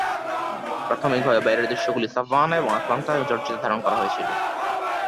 প্রাথমিকভাবে, বাইরের দৃশ্যগুলি সাভানা এবং আটলান্টা, জর্জিয়াতে ধারণ করা হয়েছিল।